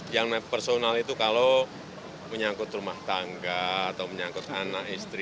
yang personal itu kalau menyangkut rumah tangga atau menyangkut anak istri